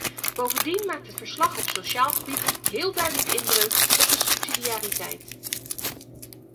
Bovendien maakt het verslag op sociaal gebied heel duidelijk inbreuk op de subsidiariteit.